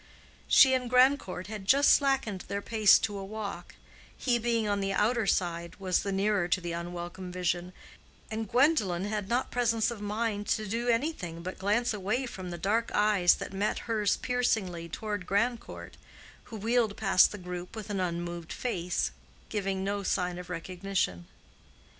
She and Grandcourt had just slackened their pace to a walk; he being on the outer side was the nearer to the unwelcome vision, and Gwendolen had not presence of mind to do anything but glance away from the dark eyes that met hers piercingly toward Grandcourt, who wheeled past the group with an unmoved face, giving no sign of recognition.